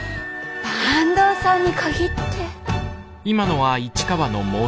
坂東さんに限って。